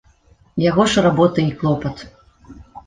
Яго ж работа і клопат.